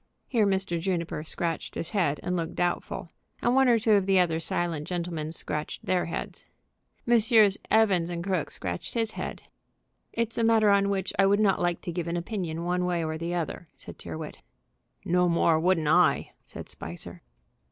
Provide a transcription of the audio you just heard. Here Mr. Juniper scratched his head and looked doubtful, and one or two of the other silent gentlemen scratched their heads. Messrs. Evans & Crooke scratched his head. "It's a matter on which I would not like to give an opinion one way or the other," said Tyrrwhit. "No more wouldn't I," said Spicer.